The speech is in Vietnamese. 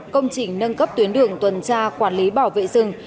công trình nâng cấp tuyến đường tuần tra quản lý bảo vệ rừng